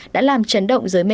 đã làm trấn động giới thiệu